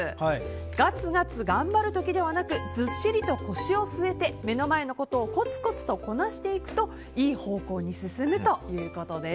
ガツガツ頑張る時ではなくずっしりと腰を据えて目の前のことをコツコツとこなしていくといい方向に進むということです。